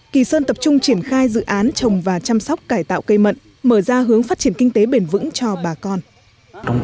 kỳ sơn tập trung triển khai dự án trồng và chăm sóc cải tạo cây mận mở ra hướng phát triển kinh tế bền vững cho bà con